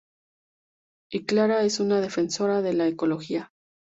Y Clara es una defensora de la ecología.